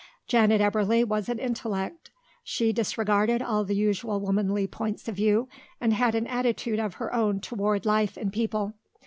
Janet Eberly was an intellect. She disregarded all the usual womanly points of view and had an attitude of her own toward life and people.